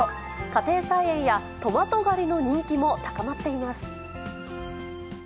家庭菜園やトマト狩りの人気も高まっています。